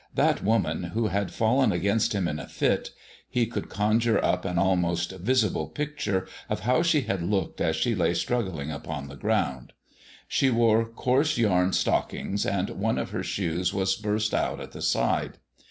That woman who had fallen against him in a fit he could conjure up an almost visible picture of how she had looked as she lay struggling upon the ground. She wore coarse yarn stockings, and one of her shoes was burst out at the side.